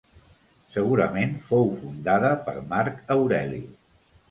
Segurament fou fundada per Marc Aureli.